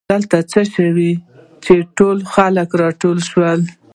دلته څه شوي دي چې ټول خلک راټول شوي